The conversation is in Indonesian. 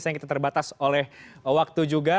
sayang kita terbatas oleh waktu juga